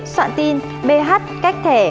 soạn tin bh cách thẻ